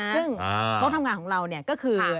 ซึ่งโต๊ะทำงานของเราเนี่ยก็คือ